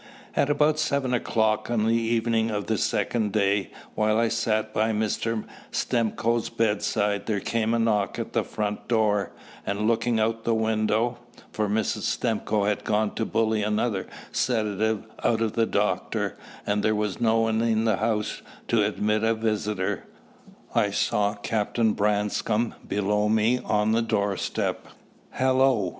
At about seven o'clock on the evening of the second day, while I sat by Mr. Stimcoe's bedside, there came a knock at the front door, and, looking out of the window for Mrs. Stimcoe had gone to bully another sedative out of the doctor, and there was no one in the house to admit a visitor I saw Captain Branscome below me on the doorstep. "Hallo!"